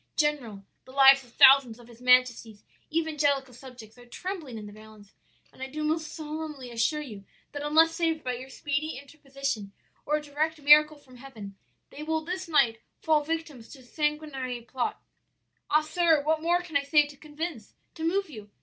General, the lives of thousands of his majesty's evangelical subjects are trembling in the balance, and I do most solemnly assure you that unless saved by your speedy interposition, or a direct miracle from Heaven, they will this night fall victims to a sanguinary plot. "'Ah, sir, what more can I say to convince, to move you?